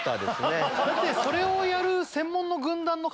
だってそれをやる。